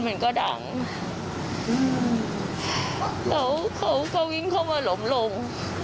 มันก็ดังเขาก็วิ่งเข้ามาหลมลง